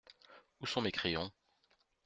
Où sont mes crayons ?